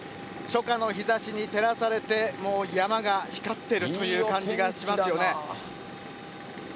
初夏の日ざしに照らされて、もう山が光ってるという感じでありますよね。